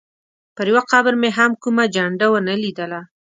پر یوه قبر مې هم کومه جنډه ونه لیدله.